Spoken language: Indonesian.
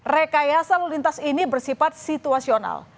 rekayasa lalu lintas ini bersifat situasional